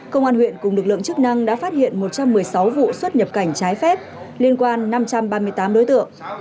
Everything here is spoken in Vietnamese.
công an huyện cùng lực lượng chức năng đã phát hiện một trăm một mươi sáu vụ xuất nhập cảnh trái phép liên quan năm trăm ba mươi tám đối tượng